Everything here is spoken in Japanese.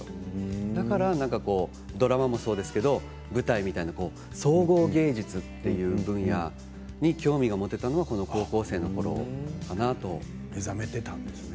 だからドラマもそうですけど舞台みたいに総合芸術という分野に興味が持てたのは高校生のころかなと思います。